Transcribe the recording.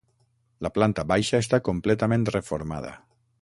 La planta baixa està completament reformada.